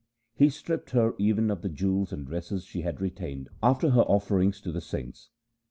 He stripped her even of the jewels and dresses she had retained after her offerings to the saints.